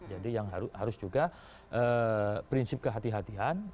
jadi yang harus juga prinsip kehatian